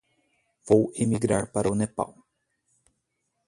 Vou emigrar para o Nepal.